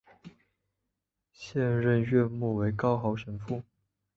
现任院牧为高豪神父。